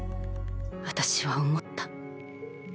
私は思った。